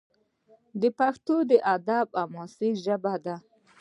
پښتو د ادب او حماسې ژبه ده.